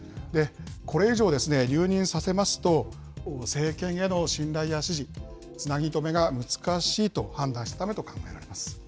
これ以上、留任させますと、政権への信頼や支持、つなぎ止めが難しいと判断したためと考えられます。